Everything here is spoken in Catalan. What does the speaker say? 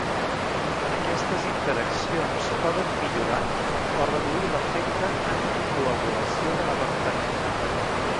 Aquestes interaccions poden millorar o reduir l'efecte anticoagulació de la warfarina.